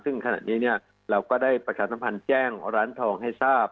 ซึ่งขณะนี้เราก็ได้ประชาสัมพันธ์แจ้งร้านทองให้ทราบ